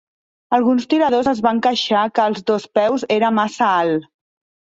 Alguns tiradors es van queixar que el dospeus era massa alt.